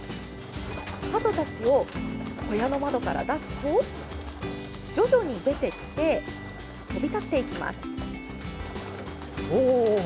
はとたちを小屋の窓から出すと徐々に出てきて飛び立っていきます。